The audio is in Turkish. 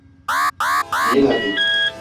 Giyin hadi.